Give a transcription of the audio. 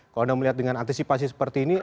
kalau anda melihat dengan antisipasi seperti ini